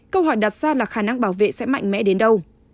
câu hỏi đặt ra là khả năng bảo vệ sẽ mạnh mẽ đến đâu